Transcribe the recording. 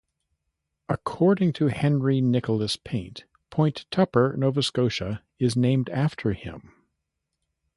According to Henry Nicholas Paint, Point Tupper, Nova Scotia is named after him.